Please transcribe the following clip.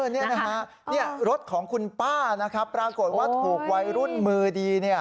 นี่นะฮะรถของคุณป้านะครับปรากฏว่าถูกวัยรุ่นมือดี